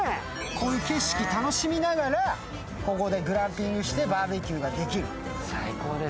この景色を楽しみながら、ここでグランピングしてバーベキューができる。